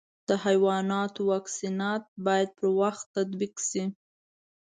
د حیواناتو واکسینات باید پر وخت تطبیق شي.